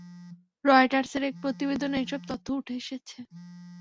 রয়টার্সের এক প্রতিবেদনে এসব তথ্য উঠে এসেছে।